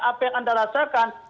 apa yang anda rasakan